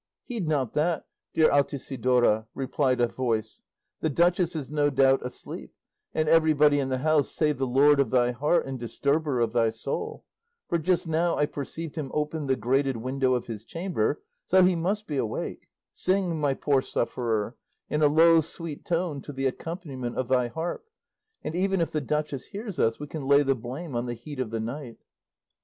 "Heed not that, dear Altisidora," replied a voice; "the duchess is no doubt asleep, and everybody in the house save the lord of thy heart and disturber of thy soul; for just now I perceived him open the grated window of his chamber, so he must be awake; sing, my poor sufferer, in a low sweet tone to the accompaniment of thy harp; and even if the duchess hears us we can lay the blame on the heat of the night."